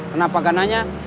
kenapa gak nanya